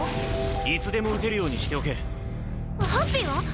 いつでも撃てるようにしておけハッピーは？